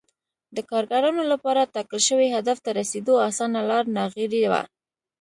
د کارګرانو لپاره ټاکل شوي هدف ته رسېدو اسانه لار ناغېړي وه